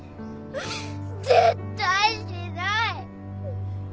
絶対しない。